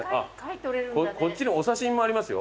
こっちにお刺し身もありますよ。